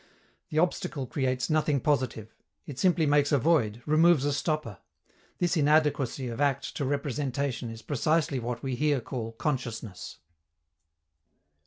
The obstacle creates nothing positive; it simply makes a void, removes a stopper. This inadequacy of act to representation is precisely what we here call consciousness.